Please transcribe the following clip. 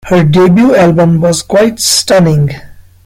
Her debut album was quite stunning.